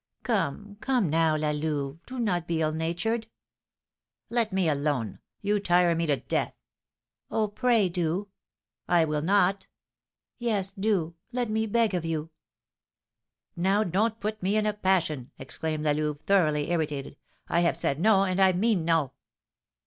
"Come, come, now, La Louve, do not be ill natured." "Let me alone! You tire me to death!" "Oh, pray do!" "I will not!" "Yes, do, let me beg of you!" "Now, don't put me in a passion," exclaimed La Louve, thoroughly irritated. "I have said no, and I mean no."